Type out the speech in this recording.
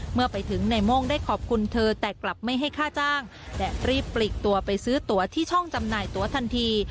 เมื่อไปถึงในโม่งได้ขอบคุณเธอแต่กลับไม่ให้ค่าจ้างและรีบปลีกตัวไปซื้อตัวที่ช่องจำหน่ายตัวทันที